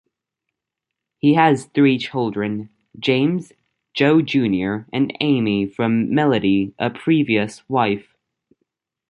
He has three children, James, Joe Junior and Amy from Melody a previous wife.